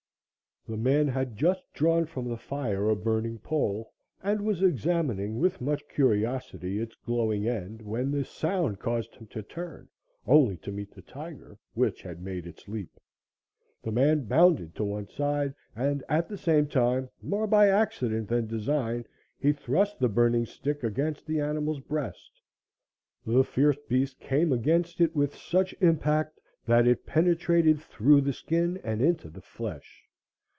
The man had just drawn from the fire a burning pole and was examining with much curiosity its glowing end, when the sound caused him to turn, only to meet the tiger, which had made its leap. The man bounded to one side, and at the same time, more by accident than design, he thrust the burning stick against the animal's breast. The fierce beast came against it with such impact that it penetrated through the skin and into the flesh.